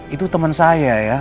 itu temen saya ya